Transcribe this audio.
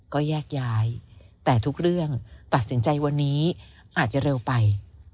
ก็แยกย้ายแต่ทุกเรื่องตัดสินใจวันนี้อาจจะเร็วไป